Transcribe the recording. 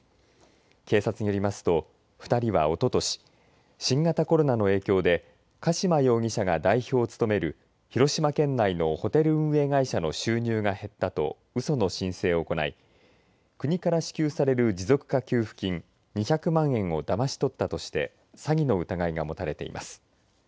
警察によりますと２人は、おととし新型コロナの影響で加島容疑者が代表を務める広島県内のホテル運営会社の収入が減ったとうその申請を行い国から支給される持続化給付金２００万円をだまし取ったとして詐欺の疑いが持たれています。